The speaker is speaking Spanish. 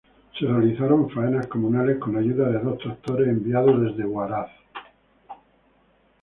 Se realizaron faenas comunales con ayuda de dos tractores enviados desde Huaraz.